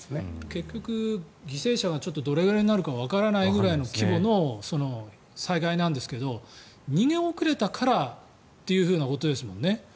結局、犠牲者がどれくらいになるかわからないくらいの規模の災害なんですが逃げ遅れたからというふうなことですもんね。